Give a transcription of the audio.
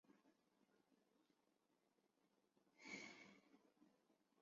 授中书舍人。